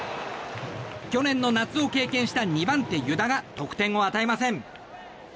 去年を夏を経験した２番手、湯田が得点を与えません。